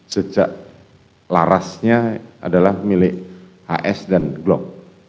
sejak larasnya adalah milik hs dan glock